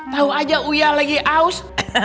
tahu aja uya lagi aus